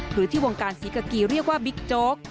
คือที่วงการศรีกากีเรียกว่าบิ๊กโจ๊ก